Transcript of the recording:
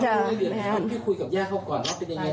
ใครลัก